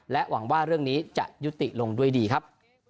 หวังว่าเรื่องนี้จะยุติลงด้วยดีครับ